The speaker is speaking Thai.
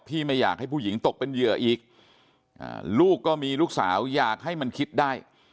ไม่อยากให้ผู้หญิงตกเป็นเหยื่ออีกลูกก็มีลูกสาวอยากให้มันคิดได้